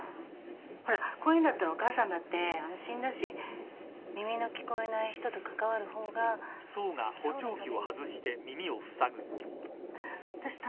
ほらこういうのだったらお母さんだって安心だし耳の聞こえない人と関わる方が想のためにも。どうした？